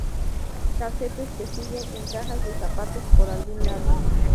Casetes que siguen en cajas de zapatos por algún lado.